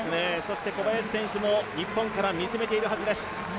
小林選手も日本から見つめているはずです。